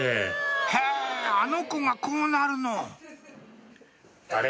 へぇあの子がこうなるのあれ？